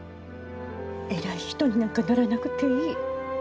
偉い人になんかならなくていい。